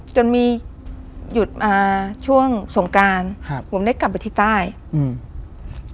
จนมีหยุดอ่าช่วงสงการครับผมได้กลับไปที่ใต้อืม